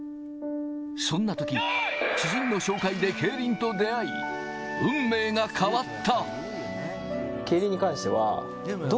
そんな時、知人の紹介で競輪と出会い、運命が変わった。